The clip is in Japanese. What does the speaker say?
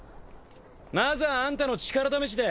まずはあんたの力試しだ。